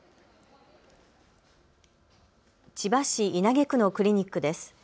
千葉市稲毛区のクリニックです。